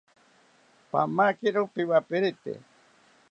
Pamakiro piwaperite